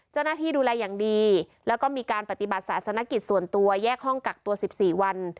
เจ้าหน้าที่ดูแลอย่างดีแล้วก็มีการปฏิบัติศาสนกิจส่วนตัวแยกห้องกักตัว๑๔วัน